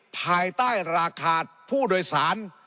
ภายใต้ราคาผู้โดยสาร